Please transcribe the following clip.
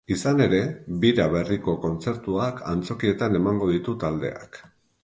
Izan ere, bira berriko kontzertuak antzokietan emango ditu taldeak.